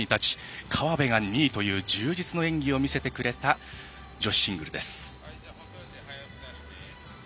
河辺が２位という充実の演技を見せてくれた女子シングルです。